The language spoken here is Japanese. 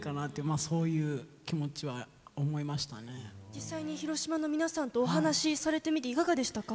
実際に広島の皆さんとお話されてみていかがでしたか？